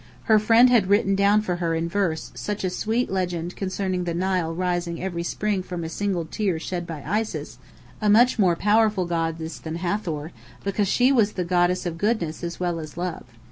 Her friend had written down for her in verse such a sweet legend about the Nile rising every spring from a single tear shed by Isis, a much more powerful goddess than Hathor, because she was the goddess of goodness as well as love.